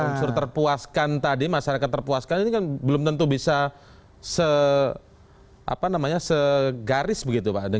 unsur terpuaskan tadi masyarakat terpuaskan ini kan belum tentu bisa segaris begitu pak